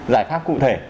giải pháp cụ thể